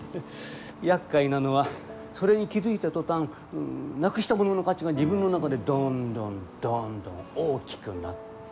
やっかいなのはそれに気付いた途端なくしたものの価値が自分の中でどんどんどんどん大きくなる。